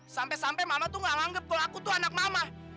sampai sampai mama tuh nggak anggap kalau aku tuh anak mama